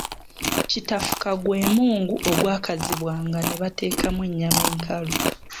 Kitafuka gwe mungu ogwakazibwanga ne bateekamu ennyama enkalu.